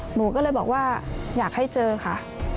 หนูก็เลยบอกว่าอยากให้เจอค่ะ